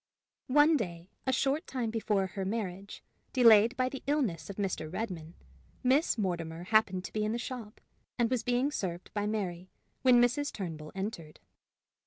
One day, a short time before her marriage, delayed by the illness of Mr. Redmain, Miss Mortimer happened to be in the shop, and was being served by Mary, when Mrs. Turnbull entered.